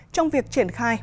trong việc triển khai